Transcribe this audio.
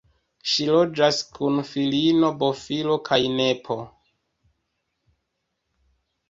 Ŝi loĝas kun filino, bofilo kaj nepo.